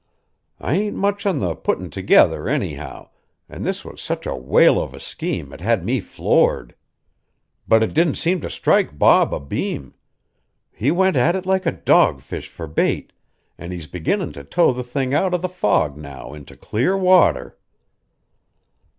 I ain't much on the puttin' together, anyhow, an' this was such a whale of a scheme it had me floored. But it didn't seem to strike Bob abeam. He went at it like a dogfish for bait, an' he's beginnin' to tow the thing out of the fog now into clear water."